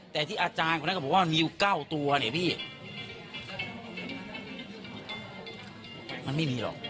แต่ที่อาจารย์คนนั้นก็บอกว่ามันมีอยู่เก้าตัวเนี่ยพี่มันไม่มีหรอก